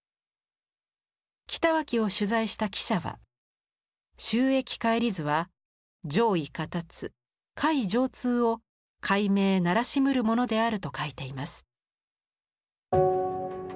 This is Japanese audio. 北脇を取材した記者は「周易解理図」は「上意下達下意上通を解明ならしむるものである」と書いています。